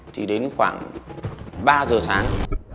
thì đến khoảng ba giờ sáng